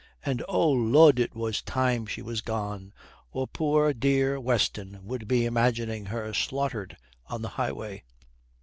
And, oh Lud, it was time she was gone, or poor, dear Weston would be imagining her slaughtered on the highway.